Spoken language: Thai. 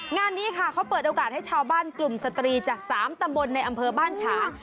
งานนี้ค่ะเขาเปิดโอกาสให้ชาวบ้านกลุ่มสตรีจาก๓ตำบลในอำเภอบ้านฉาง